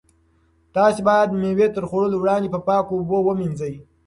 تاسو باید مېوې تر خوړلو وړاندې په پاکو اوبو ومینځئ.